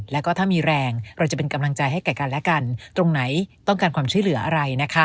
แล้วก็ถ้ามีแรงเราจะเป็นกำลังใจให้แก่กันและกันตรงไหนต้องการความช่วยเหลืออะไรนะคะ